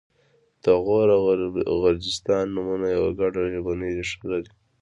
د غور او غرجستان نومونه یوه ګډه ژبنۍ ریښه لري